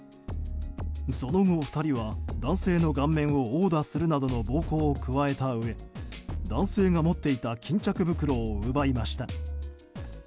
その後、２人は男性の顔面を殴打するなどの暴行を加えたうえ男性が持っていた巾着袋を奪いました。